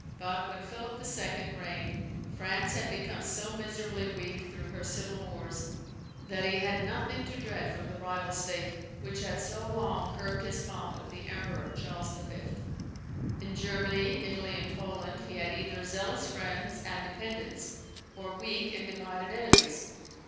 But when Philip II. reigned, France had become so miserably weak through her civil wars, that he had nothing to dread from the rival state, which had so long curbed his father the Emperor Charles V. In Germany, Italy, and Poland he had either zealous friends and dependents, or weak and divided enemies.